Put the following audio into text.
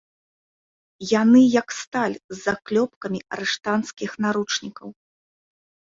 Яны як сталь з заклёпкамі арыштанцкіх наручнікаў.